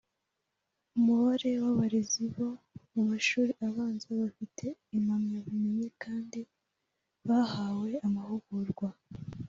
umubare w’abarezi bo mu mashuri abanza bafite impamyabumenyi kandi bahawe amahugurwa